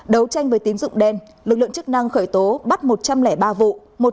đấu tranh với tín dụng đen lực lượng chức năng khởi tố bắt một trăm linh ba vụ